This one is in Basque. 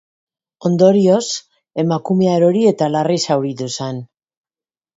Ondorioz emakumea erori eta larri zauritu zen.